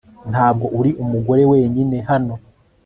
Ntabwo uri umugore wenyine hano